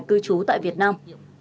cư trú tại việt nam